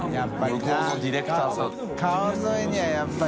「向こうのディレクターさん」